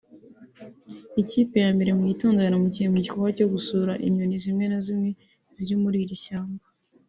Ikipe ya mbere mu gitondo yaramukiye mu gikorwa cyo gusura inyoni zimwe na zimwe ziri muri iri shyamba